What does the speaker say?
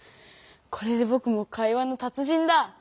これでぼくも会話のたつ人だ！